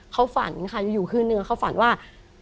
เขาฝันอยู่อยู่ขึ้นเนื้อเขาฝันว่า